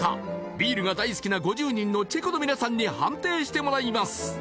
ビールが大好きな５０人のチェコの皆さんに判定してもらいます